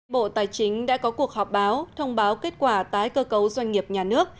bộ tài chính đã có cuộc họp báo thông báo kết quả tái cơ cấu doanh nghiệp nhà nước